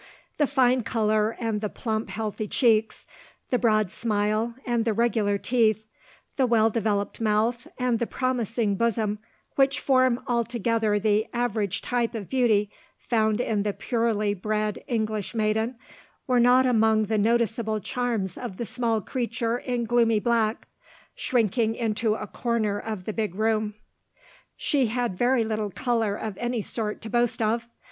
The fine colour and the plump healthy cheeks, the broad smile, and the regular teeth, the well developed mouth, and the promising bosom which form altogether the average type of beauty found in the purely bred English maiden, were not among the noticeable charms of the small creature in gloomy black, shrinking into a corner of the big room. She had very little colour of any sort to boast of.